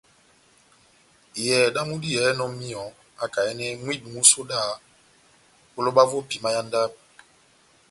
Iyɛhɛ damu diyɛhɛnɔ míyɔ akayɛnɛ mwibi músodaha ó lóba vó epima yá ndabo.